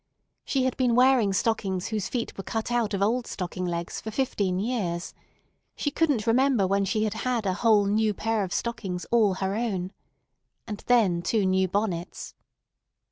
She had been wearing stockings whose feet were cut out of old stocking legs for fifteen years. She couldn't remember when she had had a whole new pair of stockings all her own. And then two new bonnets.